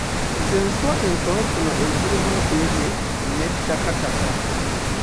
Z'enswa entonotono ezirimu enkuyege n'ettakataka.